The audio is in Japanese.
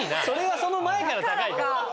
それはその前から高いから。